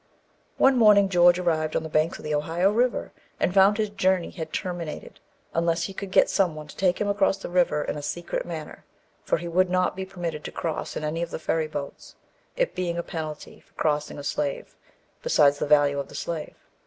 One morning, George arrived on the banks of the Ohio river, and found his journey had terminated, unless he could get some one to take him across the river in a secret manner, for he would not be permitted to cross in any of the ferry boats, it being a penalty for crossing a slave, besides the value of the slave.